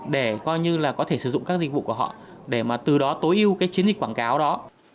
để coi như là có thể sử dụng các dịch vụ của họ để mà từ đó tối ưu cái chiến dịch quảng cáo đó